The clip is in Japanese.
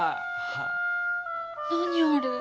何あれ？